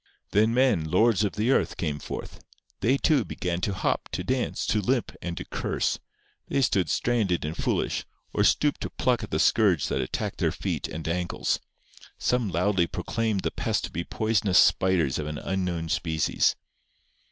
Then men, lords of the earth, came forth. They, too, began to hop, to dance, to limp, and to curse. They stood stranded and foolish, or stooped to pluck at the scourge that attacked their feet and ankles. Some loudly proclaimed the pest to be poisonous spiders of an unknown species.